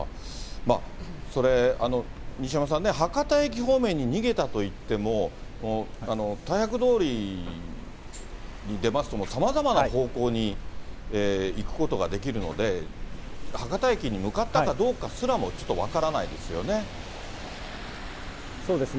西山さんね、博多駅方面に逃げたといっても、大博通りに出ますと、もうさまざまな方向に行くことができるので、博多駅に向かったかどうかすらもちょっと分からないですよね。